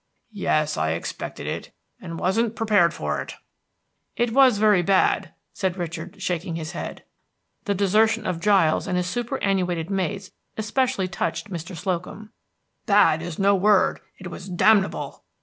"Yes, I expected it, and wasn't prepared for it." "It was very bad," said Richard, shaking his head. The desertion of Giles and his superannuated mates especially touched Mr. Slocum. "Bad is no word; it was damnable."